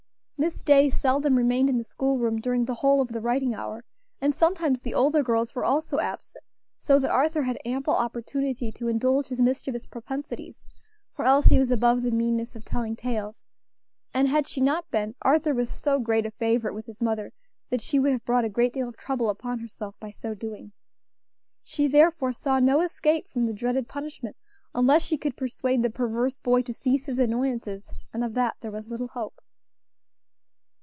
Miss Day seldom remained in the school room during the whole of the writing hour, and sometimes the older girls were also absent, so that Arthur had ample opportunity to indulge his mischievous propensities; for Elsie was above the meanness of telling tales, and had she not been, Arthur was so great a favorite with his mother that she would have brought a great deal of trouble upon herself by so doing. She therefore saw no escape from the dreaded punishment, unless she could persuade the perverse boy to cease his annoyances; and of that there was little hope.